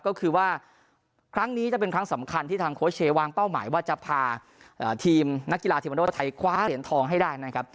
ก็คือว่าครั้งนี้จะเป็นครั้งสำคัญที่ทางโค้ชเชย์วางเป้าหมายว่าจะพาทีมนักกีฬาเทวันโดไทยคว้าเหรียญทองให้ได้นะครับ